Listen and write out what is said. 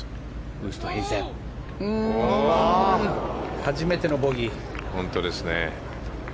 初めてのボギー。